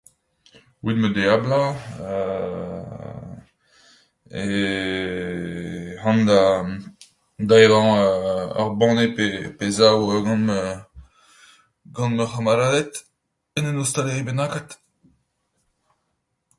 Evit ma deiz-ha-bloaz euu ez an da evañ ur banne pe zaou gant ma c'hamaladed en un ostaleri bennaket.